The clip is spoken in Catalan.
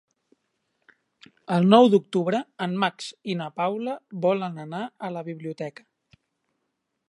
El nou d'octubre en Max i na Paula volen anar a la biblioteca.